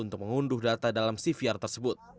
untuk mengunduh data dalam cvr tersebut